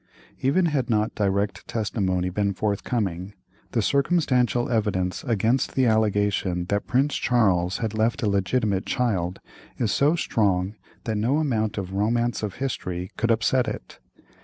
Even had not direct testimony been forthcoming, the circumstantial evidence against the allegation that Prince Charles had left a legitimate child is so strong that no amount of "Romance of History" could upset it.